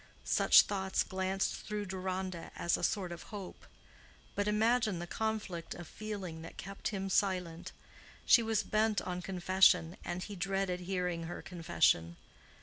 Such thoughts glanced through Deronda as a sort of hope. But imagine the conflict of feeling that kept him silent. She was bent on confession, and he dreaded hearing her confession.